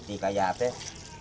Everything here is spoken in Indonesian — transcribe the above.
seperti kaya apes